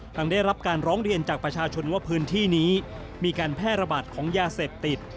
ได้รับการร้องเรียนจากประชาชนว่าพื้นที่นี้มีการแพร่ระบาดของยาเสพติด